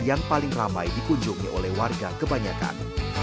yang paling ramai dikunjungi oleh warga kebanyakan